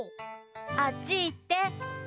あっちいって。